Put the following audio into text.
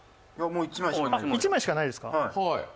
もう１枚しかないです。